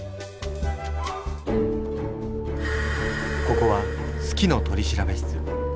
ここは「好きの取調室」。